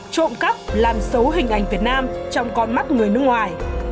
trộm cắp làm xấu hình ảnh việt nam trong con mắt người nước ngoài